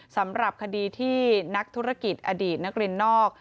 สำหรับคดีที่นักธุรกิจอดีตนักเรียนนอก